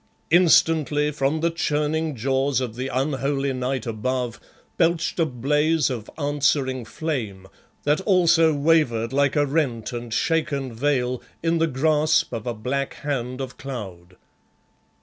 Instantly from the churning jaws of the unholy night above belched a blaze of answering flame, that also wavered like a rent and shaken veil in the grasp of a black hand of cloud.